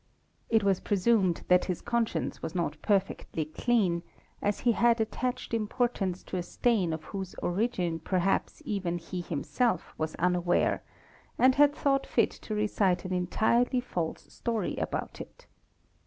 It was presumed that his conscience was not perfec MUD ON BOOTS 'EES clean as he had attached importance to a stain of whose origin perhaps even he himself was unaware, and had thought fit to recite an entirely false story about it.